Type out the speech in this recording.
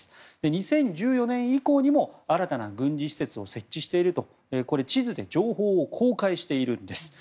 ２０１４年以降にも新たな軍事施設を設置していると地図で情報を公開しているんです。